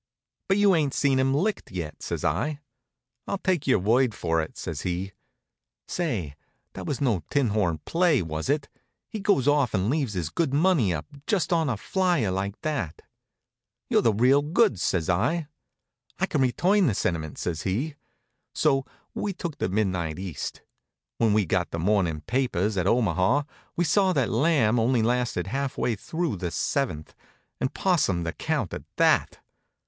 "But you ain't seen him licked yet," says I. "I'll take your word for it," says he. Say, that was no tinhorn play, was it? He goes off and leaves his good money up, just on a flier like that. "You're the real goods," says I. "I can return the sentiment," says he. So we took the midnight East. When we got the morning papers at Omaha we saw that the Lamb only lasted half way through the seventh, and 'possumed the count at that.